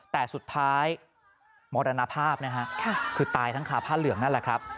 แต่สุดท้ายมรณภาพนะฮะคือตายทั้งคาผ้าเหลืองนั่นแหละครับ